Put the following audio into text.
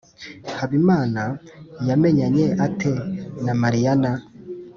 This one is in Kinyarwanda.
Habimana yamenyanye ate na Mariyana?